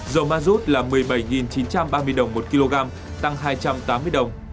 dầu mazut là một mươi bảy chín trăm ba mươi đồng một kg tăng hai trăm tám mươi đồng